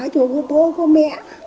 cho con bố con mẹ